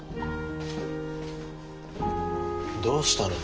どうしたの？